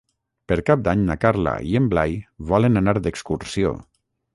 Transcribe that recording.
Per Cap d'Any na Carla i en Blai volen anar d'excursió.